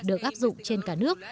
được áp dụng trên cả nước